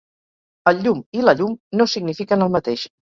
"El llum" i "la llum" no signifiquen el mateix.